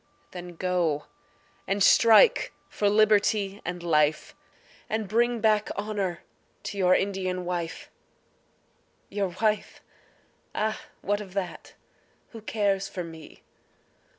Then go and strike for liberty and life, And bring back honour to your Indian wife. Your wife? Ah, what of that, who cares for me?